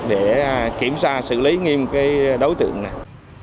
để kiểm soát xử lý nghiêm đối tượng này